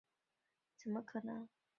怎么可能一百多万